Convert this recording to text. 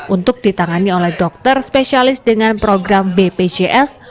untuk ditangani oleh dokter spesialis dengan program bpjs